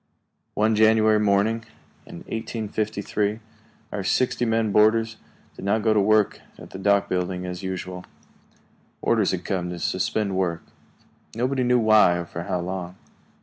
One January morning in 1853, our sixty men boarders did not go to work at the dock building as usual. Orders had come to suspend work. Nobody knew why, or for how long.